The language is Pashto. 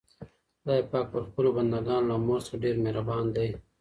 خدای پاک پر خپلو بندګانو له مور څخه ډېر مهربان دی.